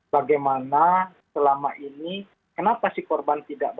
bagaimana selama ini kenapa si korban tidak berhasil